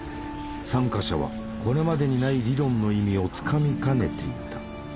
参加者はこれまでにない理論の意味をつかみかねていた。